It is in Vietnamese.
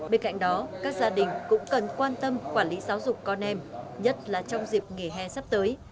bên cạnh đó các gia đình cũng cần quan tâm quản lý giáo dục con em nhất là trong dịp nghỉ hè sắp tới